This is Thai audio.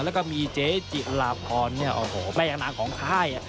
แล้วก็มีเจ๊จิลาพรแม่ยากนางของค่าย